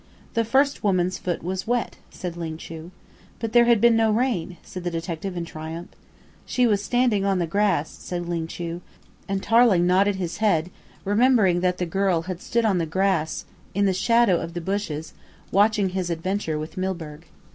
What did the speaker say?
"The first woman's foot was wet," said Ling Chu. "But there had been no rain," said the detective in triumph. "She was standing on the grass," said Ling Chu, and Tarling nodded his head, remembering that the girl had stood on the grass in the shadow of the bushes, watching his adventure with Milburgh.